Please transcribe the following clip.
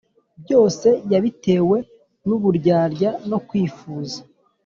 Byose yabitewe n’ uburyarya no kwifuza